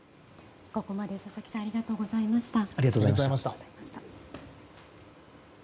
ここまで、佐々木さんありがとうございました。